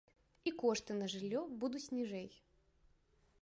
І кошты на жыллё будуць ніжэй.